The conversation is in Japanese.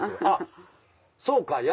あっそうか！